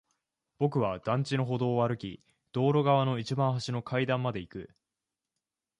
僕は団地の歩道を歩き、道路側の一番端の階段まで行く。